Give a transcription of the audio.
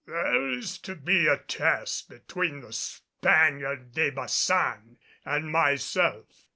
"There is to be a test between the Spaniard, De Baçan and myself."